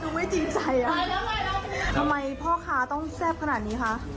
ทำไมพ่อค่ะต้องแซ่บขนาดนี้คะ